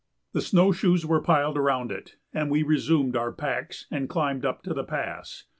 The snow shoes were piled around it, and we resumed our packs and climbed up to the pass.